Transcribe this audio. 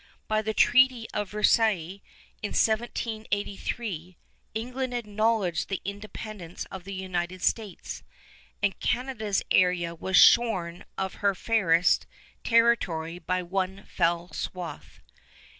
By the Treaty of Versailles, in 1783, England acknowledged the independence of the United States, and Canada's area was shorn of her fairest territory by one fell swath.